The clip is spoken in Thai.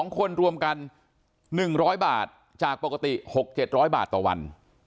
๒คนรวมกัน๑๐๐บาทจากปกติ๖๗๐๐บาทต่อวัน